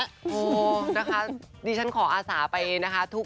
โอ้โหนะคะดิฉันขออาสาไปนะคะ